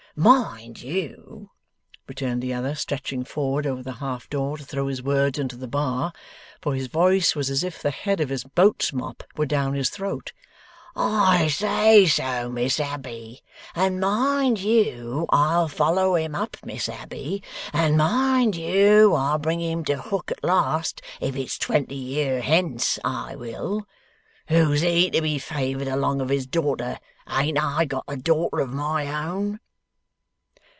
'Mind you!' returned the other, stretching forward over the half door to throw his words into the bar; for his voice was as if the head of his boat's mop were down his throat; 'I say so, Miss Abbey! And mind you! I'll follow him up, Miss Abbey! And mind you! I'll bring him to hook at last, if it's twenty year hence, I will! Who's he, to be favoured along of his daughter? Ain't I got a daughter of my own!